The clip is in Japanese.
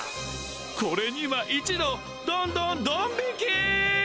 これには一同どんどんドン引きぃ！